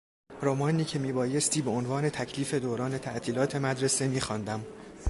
رمانی که میبایستی به عنوان تکلیف دوران تعطیلات مدرسه میخواندم